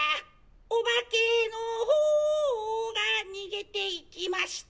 「お化けの方がにげていきました」